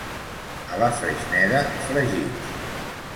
A la Freixneda, fregits.